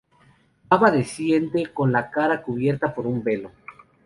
Baba desciende con la cara cubierta por un velo.